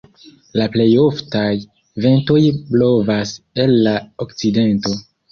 La plej oftaj ventoj blovas el la okcidento.